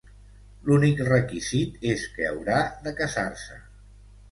L'únic requisit és que haurà de casar-se.